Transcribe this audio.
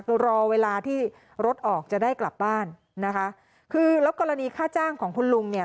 คือรอเวลาที่รถออกจะได้กลับบ้านนะคะคือแล้วกรณีค่าจ้างของคุณลุงเนี่ย